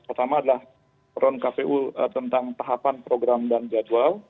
pertama adalah peron kpu tentang tahapan program dan jadwal